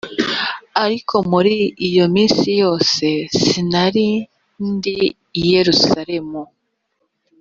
ariko muri iyo minsi yose sinari ndi i yerusalemu